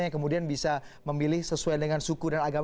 yang kemudian bisa memilih sesuai dengan suku dan agama